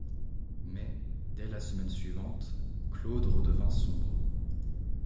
Mais, dès la semaine suivante, Claude redevint sombre.